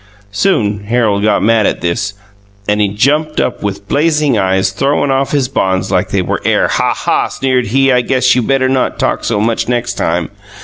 Soon Harold got mad at this and jumped up with blasing eyes throwin off his bonds like they were air Ha Ha sneered he I guess you better not talk so much next time.